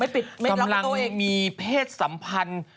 กำลังมีเพศสัมพันธ์